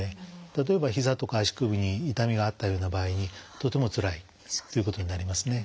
例えばひざとか足首に痛みがあったような場合にとてもつらいということになりますね。